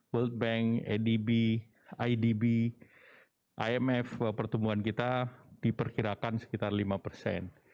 world bank adb idb imf pertumbuhan kita diperkirakan sekitar lima persen